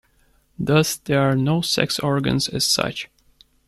Thus there are no sex organs as such.